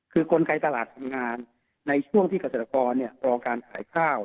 คือกลไกตลาดทำงานในช่วงที่เกษตรกรรอการขายข้าว